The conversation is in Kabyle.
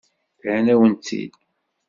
Rran-awen-tt-id.